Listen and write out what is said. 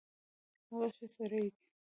هغه ښه سړی ده